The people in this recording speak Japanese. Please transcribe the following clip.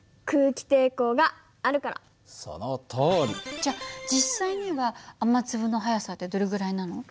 じゃ実際には雨粒の速さってどれぐらいなの？